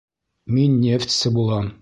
Мин нефтсе булам.